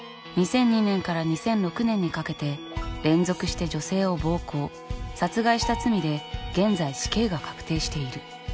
２００２年から２００６年にかけて連続して女性を暴行殺害した罪で現在死刑が確定している。